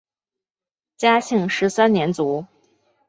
嘉庆十三年卒。